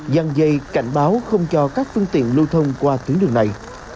dăng dây cảnh báo không cho các phương tiện lưu thông qua tuyến đường này